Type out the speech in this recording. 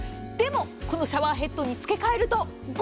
でも、このシャワーヘッドに付け替えると５０％